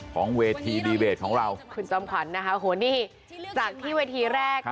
ของเวทีดีเบตของเราคุณจอมขวัญนะคะโหนี่จากที่เวทีแรก